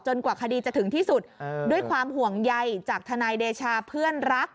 กว่าคดีจะถึงที่สุดด้วยความห่วงใยจากทนายเดชาเพื่อนรัก